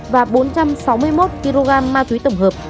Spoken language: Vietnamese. và bốn trăm sáu mươi một kg ma túy tổng hợp